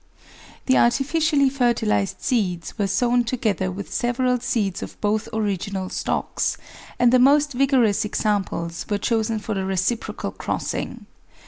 The artificially fertilised seeds were sown together with several, seeds of both original stocks, and the most vigorous examples were chosen for the reciprocal crossing.